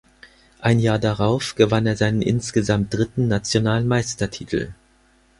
Ein Jahr darauf gewann er seinen insgesamt dritten nationalen Meistertitel.